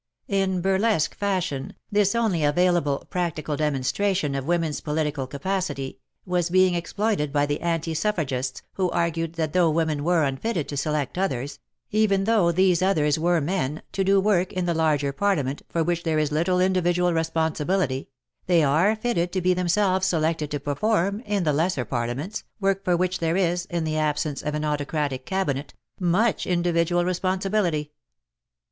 In burlesque fashion, this only available practical demonstration of women's political capacity, was being exploited by the ^«^/ suffragists, who argued that though women were unfitted WAR AND WOMEN 7 to select others — even though these others were men — to do work, in the larger parlia ment, for which there is little individual re sponsibility — they are fitted to be themselves selected to perform, in the lesser parliaments, work for which there is, in the absence of an autocratic cabinet, much individual responsi bility.